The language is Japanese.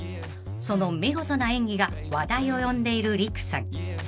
［その見事な演技が話題を呼んでいる利久さん］